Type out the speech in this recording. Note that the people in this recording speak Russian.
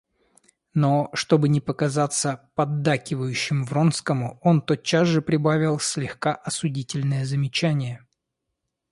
Но, чтобы не показаться поддакивающим Вронскому, он тотчас же прибавил слегка осудительное замечание.